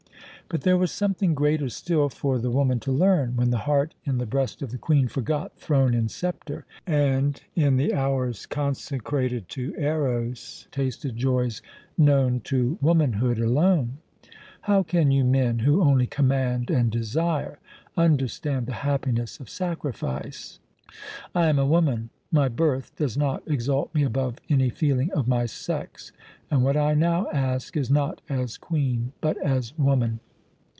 But there was something greater still for the woman to learn, when the heart in the breast of the Queen forgot throne and sceptre and, in the hours consecrated to Eros, tasted joys known to womanhood alone. How can you men, who only command and desire, understand the happiness of sacrifice? I am a woman; my birth does not exalt me above any feeling of my sex; and what I now ask is not as Queen but as woman."